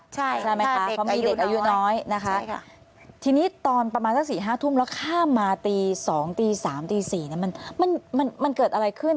ใช่ค่ะเขามีเด็กอายุน้อยทีนี้ตอนประมาณสัก๔๕ทุ่มแล้วข้ามมาตี๒๓๔มันเกิดอะไรขึ้น